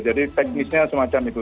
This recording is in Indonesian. jadi teknisnya semacam itu